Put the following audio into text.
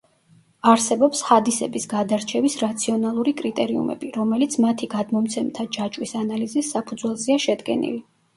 არსებობს ჰადისების გადარჩევის რაციონალური კრიტერიუმები, რომელიც მათი გადმომცემთა ჯაჭვის ანალიზის საფუძველზეა შედგენილი.